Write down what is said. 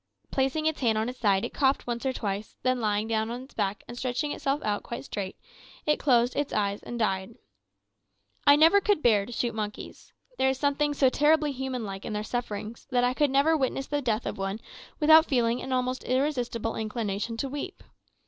Placing its hand on its side, it coughed once or twice, then lying down on its back and stretching itself out quite straight, it closed its eyes and died. I never could bear to shoot monkeys. There was something so terribly human like in their sufferings, that I never could witness the death of one without feeling an almost irresistible inclination to weep.